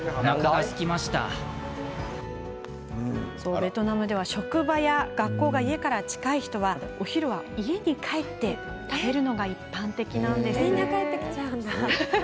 ベトナムでは職場や学校が家から近い人はお昼は自宅に帰って食べるのが一般的なんです。